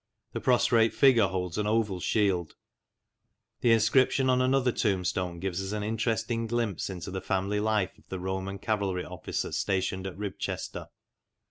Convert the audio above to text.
The prostrate figure holds an oval shield. The inscription on another tombstone gives us an interesting glimpse into the family life of the Roman cavalry officer stationed at Ribchester.